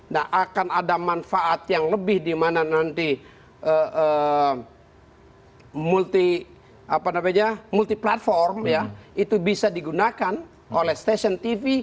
nah akan ada manfaat yang lebih dimana nanti multi platform itu bisa digunakan oleh stasiun tv